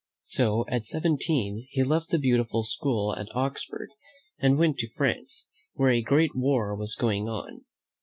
So at seventeen he left the beautiful school at Oxford and went to France, where a great war was going on.